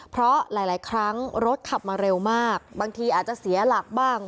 เพราะหลายครั้งรถขับมาเร็วมากบางทีอาจจะเสียหลักบ้าง